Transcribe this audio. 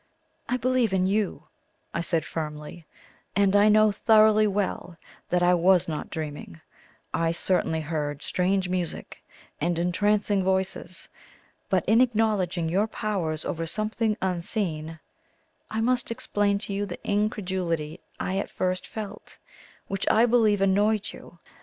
"I believe in YOU," I said firmly; "and I know thoroughly well that I was not dreaming; I certainly heard strange music, and entrancing voices. But in acknowledging your powers over something unseen, I must explain to you the incredulity I at first felt, which I believe annoyed you.